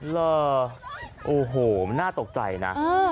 แล้วโอ้โหน่าตกใจนะ